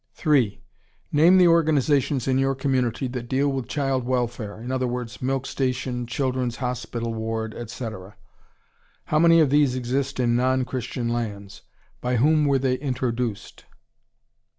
3. Name the organizations in your community that deal with Child Welfare (i.e., milk station, children's hospital ward, etc.). How many of these exist in non Christian lands? By whom were they introduced?